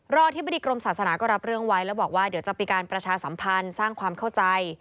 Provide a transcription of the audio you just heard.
อธิบดีกรมศาสนาก็รับเรื่องไว้แล้วบอกว่าเดี๋ยวจะมีการประชาสัมพันธ์สร้างความเข้าใจ